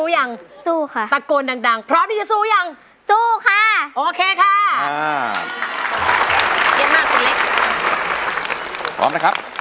มั่นใจกี่เปอร์เซ็นต์